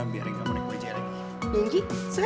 biarin kamu naik baju lagi